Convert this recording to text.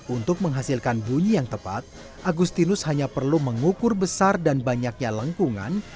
untuk menghasilkan bunyi yang tepat agustinus hanya perlu mengukur besar dan banyaknya lengkungan